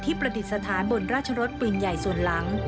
ประดิษฐานบนราชรสปืนใหญ่ส่วนหลัง